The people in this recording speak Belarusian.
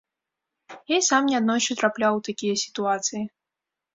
Я і сам неаднойчы трапляў у такія сітуацыі.